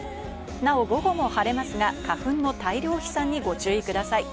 なお午後も晴れますが、花粉の大量飛散にご注意ください。